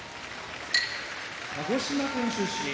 鹿児島県出身